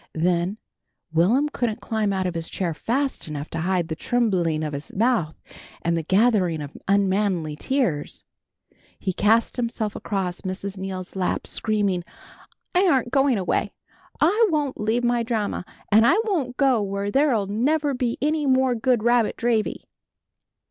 Then Will'm couldn't climb out of his chair fast enough to hide the trembling of his mouth and the gathering of unmanly tears. He cast himself across Mrs. Neal's lap, screaming, "I aren't going away! I won't leave my Dranma, and I won't go where there'll never be any more good rabbit dravy!"